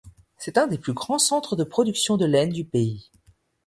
C'est un des plus grands centres de production de laine du pays.